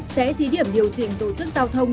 sẽ thí điểm điều chỉnh tổ chức giao thông